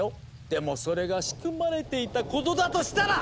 でもそれが仕組まれていたことだとしたら！